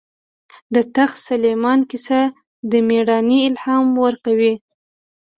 د تخت سلیمان کیسه د مېړانې الهام ورکوي.